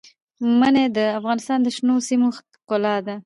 منی د افغانستان د شنو سیمو ښکلا ده.